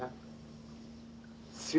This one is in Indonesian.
terima kasih pak